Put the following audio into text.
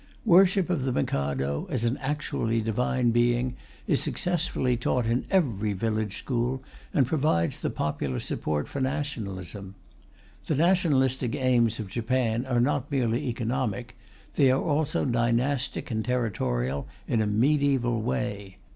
Worship of the Mikado, as an actually divine being, is successfully taught in every village school, and provides the popular support for nationalism. The nationalistic aims of Japan are not merely economic; they are also dynastic and territorial in a mediæval way.